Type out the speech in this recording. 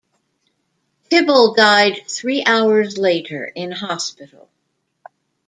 Tibble died three hours later in hospital.